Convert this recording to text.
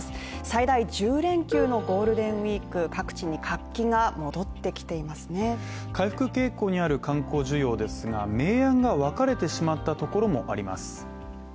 最大１０連休のゴールデンウィーク各地に活気が戻ってきていますね回復傾向にある観光需要ですが、明暗がわかれてしまったところもあります